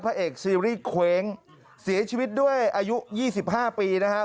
เอกซีรีส์เคว้งเสียชีวิตด้วยอายุ๒๕ปีนะครับ